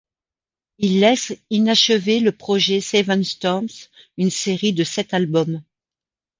Il laisse inachevé le projet Seven Storms, une série de sept albums.